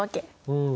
うん。